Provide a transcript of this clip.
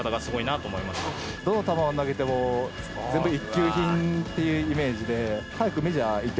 どの球を投げても全部一級品っていうイメージで。